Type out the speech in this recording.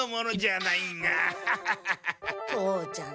父ちゃん